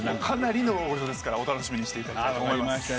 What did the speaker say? かなりの大御所ですからお楽しみにしていただきたいと思います。